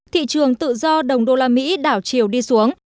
thị trường tự do đồng đô la mỹ đảo chiều đi xuống